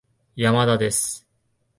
山田です